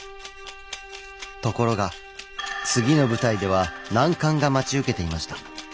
ところが次の舞台では難関が待ち受けていました。